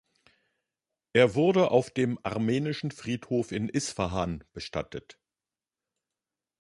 Er wurde auf dem armenischen Friedhof in Isfahan bestattet.